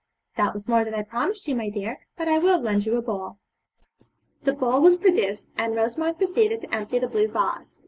'That was more than I promised you, my dear, but I will lend you a bowl.' The bowl was produced, and Rosamond proceeded to empty the blue vase.